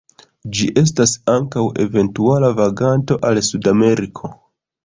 Ĝi estas ankaŭ eventuala vaganto al Sudameriko.